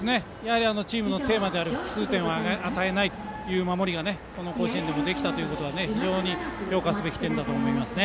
チームのテーマである複数点を与えないということができたのはこの甲子園でもできたということは非常に評価すべき点だと思いますね。